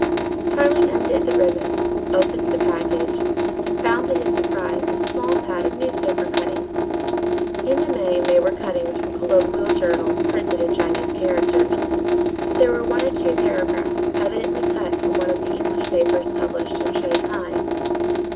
Tarling undid the ribbon, opened the package and found to his surprise a small pad of newspaper cuttings. In the main they were cuttings from colloquial journals printed in Chinese characters, but there were one or two paragraphs evidently cut from one of the English papers published in Shanghai.